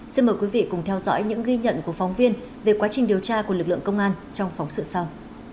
xin mời quý vị cùng theo dõi những ghi nhận của phóng viên về quá trình điều tra của lực lượng công an trong phóng sự sau